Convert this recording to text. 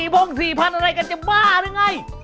พรุ่งสี่พันธุ์อะไรกันจะบ้าหรือไง